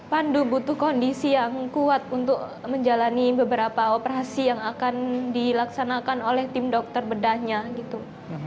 pandu butuh kondisi yang kuat untuk menjalani beberapa operasi yang akan dilaksanakan oleh tim dokter bedahnya gitu